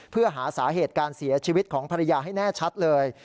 เพื่อหาสาเหตุการเสียชีวิตของภรรยาให้แน่ชัดเลย